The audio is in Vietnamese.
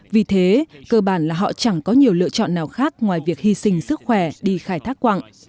vì thế cơ bản là họ chẳng có nhiều lựa chọn nào khác ngoài việc hy sinh sức khỏe đi khai thác quặng